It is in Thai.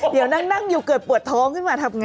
เดี๋ยวนั่งอยู่เกิดปวดท้องขึ้นมาทำไง